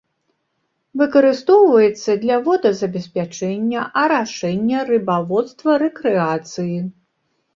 Выкарыстоўваецца для водазабеспячэння, арашэння, рыбаводства, рэкрэацыі.